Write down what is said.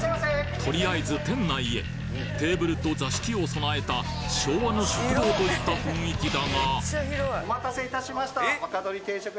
とりあえず店内へテーブルと座敷を備えた昭和の食堂といった雰囲気だがお待たせいたしました。